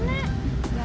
ya aku ingat